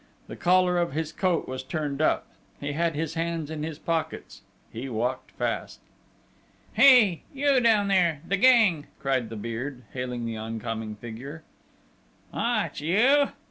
The collar of his coat was turned up: he had his hands in his pockets: he walked fast. "Hey! You down there! The gang!" cried the Beard, hailing the oncoming figure. "Ah, it's you?"